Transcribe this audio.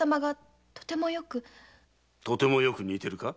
とてもよく似てるか？